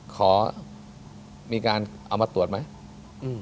ขอมีการเอามาตรวจไหม